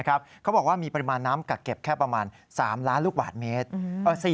เขาบอกว่ามีปริมาณน้ำกักเก็บแค่ประมาณ๓ล้านลูกบาทเมตร